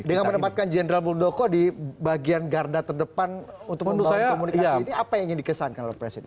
dengan menempatkan jenderal muldoko di bagian garda terdepan untuk membangun komunikasi ini apa yang ingin dikesankan oleh presiden